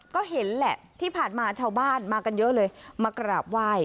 ก็เห็นแหละที่ผ่านมาชาวบ้านมากันเยอะเลยมากราบไหว้